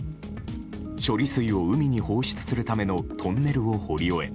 処理水を海に放出するためのトンネルを掘り終え